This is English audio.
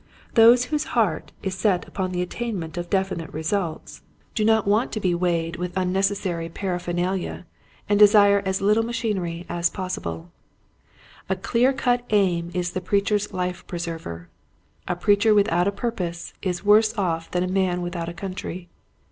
Those whose heart is set on the attainment of definite results The Value of a Target. 89 do not want to be weighted with unneces sary paraphernalia and desire as Uttle ma chinery as possible. A clear cut aim is the preacher's life preserver. A preacher without a purpose is worse off than a man without a country.